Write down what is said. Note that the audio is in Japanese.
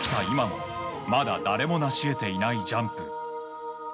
今もまだ誰もなしえていないジャンプ。